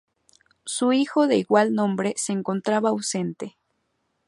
Su hijo, de igual nombre, se encontraba ausente.